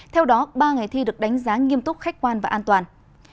theo đó ba ngày thi được đánh giá nghiêm túc khách quan và an toàn